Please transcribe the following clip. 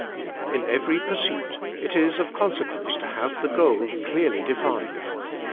In every pursuit it is of consequence to have the goal clearly defined.